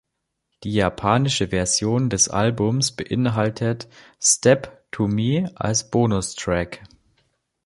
Die japanische Version des Albums beinhaltet "Step to Me" als Bonus Track.